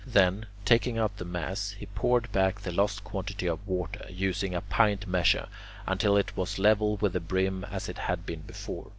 Then, taking out the mass, he poured back the lost quantity of water, using a pint measure, until it was level with the brim as it had been before.